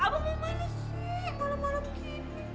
abang mau mana sih malam malam gini